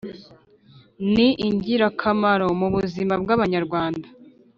ni ingirakamaro mu buzima bw’abanyarwanda.